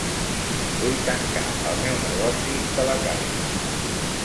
Vull tancar el meu negoci de La Caixa.